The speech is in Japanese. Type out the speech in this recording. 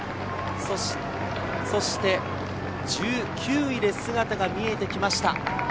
そして１９位で姿が見えてきました。